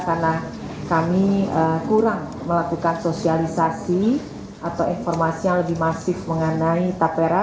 karena kami kurang melakukan sosialisasi atau informasi yang lebih masif mengenai tapera